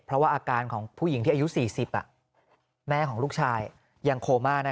เพราะว่าอาการของผู้หญิงที่อายุ๔๐แม่ของลูกชายยังโคม่านะ